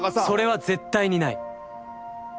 それは絶対にない。